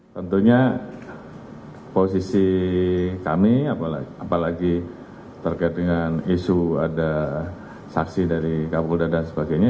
tentunya posisi kami apalagi terkait dengan isu ada saksi dari kapolda dan sebagainya